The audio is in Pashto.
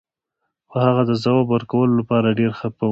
خو هغه د ځواب ورکولو لپاره ډیر خفه و